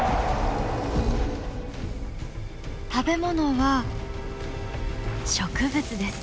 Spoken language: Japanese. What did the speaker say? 食べ物は植物です。